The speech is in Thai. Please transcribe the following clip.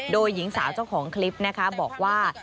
โดยหญิงสาวเจ้าของคลิปนะคะบอกว่า